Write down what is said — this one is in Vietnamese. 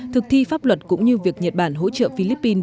thực thi pháp luật cũng như việc nhật bản hỗ trợ philippines